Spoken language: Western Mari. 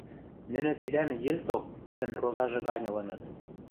Нӹнӹ цилӓн йӹлток тӹдӹн розажы гань ылыныт.